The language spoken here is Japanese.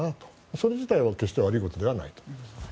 それ自体は決して悪いことではないと思います。